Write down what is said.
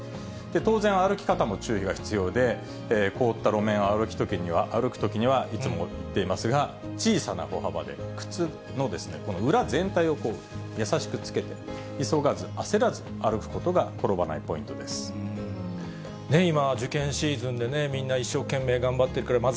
当然、歩き方も注意が必要で、凍った路面を歩くときには、いつも言っていますが、小さな歩幅で、靴の裏全体をこう優しくつけて、急がず、焦らず歩くことが、今、受験シーズンでね、みんな、一生懸命頑張ってくれてます。